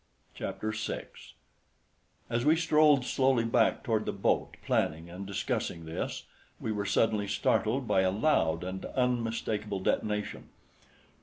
Chapter 6 As we strolled slowly back toward the boat, planning and discussing this, we were suddenly startled by a loud and unmistakable detonation.